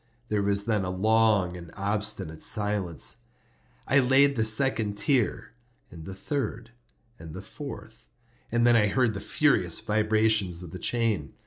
There was then a long and obstinate silence. I laid the second tier, and the third, and the fourth; and then I heard the furious vibrations of the chain.